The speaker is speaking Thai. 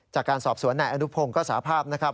จากการสอบสวนนายอนุพงศ์ก็สาภาพนะครับ